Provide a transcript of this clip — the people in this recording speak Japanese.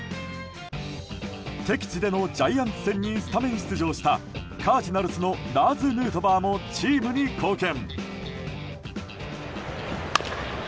敵地でのジャイアンツ戦にスタメン出場したカージナルスのラーズ・ヌートバーもチームに貢献。